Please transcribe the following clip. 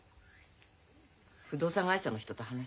不動産会社の人と話してた。